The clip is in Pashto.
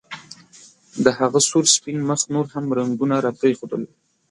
د هغه سور سپین مخ نور هم رنګونه راپرېښودل